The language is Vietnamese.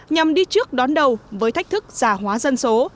nhằm đi trước đón đầu với thách thức giả hóa dân số